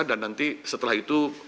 dan nanti setelah itu